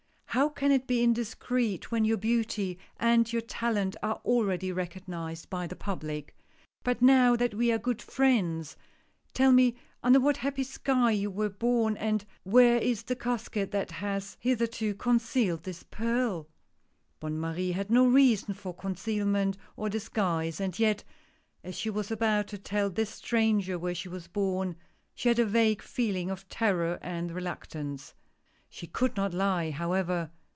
" How can it be indiscreet, when your beauty and your talent are already recognized by the public. But now that we are good friends, tell me under what happy sky you were born, and where is the casket that has hitherto concealed this pearl ?" Bonne Marie had no reason for concealment or disguise ; and yet, as she was about to tell this stranger where she was born, she had a vague feeling of terror and reluctance. She could not lie, however.